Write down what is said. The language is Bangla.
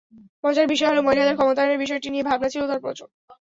মজার বিষয় হলো, মহিলাদের ক্ষমতায়নের বিষয়টি নিয়ে ভাবনা ছিল তার প্রচুর।